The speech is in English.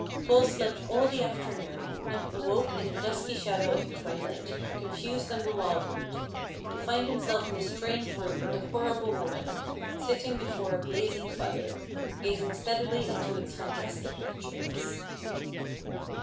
Paul slept all the afternoon, and awoke in the dusky shadow of the twilight, confused and bewildered, to find himself in a strange room with the horrible woman, sitting before a blazing fire, gazing steadily into its fantastic pictures.